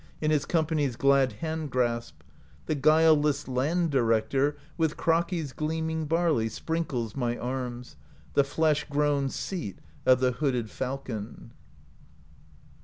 In his company's glad hand grasp; The guileless Land Director With Kraki's gleaming barley Sprinkles my arms, the flesh grown Seat of the hooded falcon.